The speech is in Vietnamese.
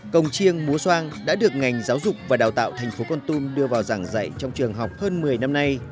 cồng chiêng múa soang đã được ngành giáo dục và đào tạo thành phố con tum đưa vào giảng dạy trong trường học hơn một mươi năm nay